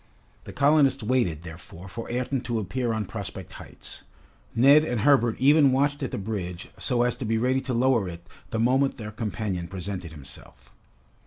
The colonists waited, therefore, for Ayrton to appear on Prospect Heights. Neb and Herbert even watched at the bridge so as to be ready to lower it the moment their companion presented himself.